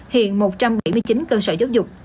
hiện một trăm bảy mươi chín cơ sở giáo dục